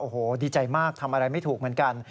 โอ้โหดีใจมากทำอะไรไม่ถูกเหมือนกัน